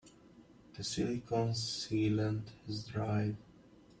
The silicon sealant has dried.